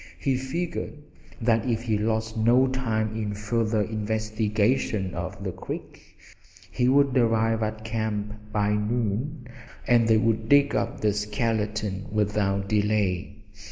He figured that if he lost no time in further investigation of the creek he would arrive at camp by noon, and they would dig up the skeleton without delay.